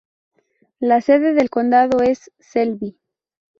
La sede del condado es Selby.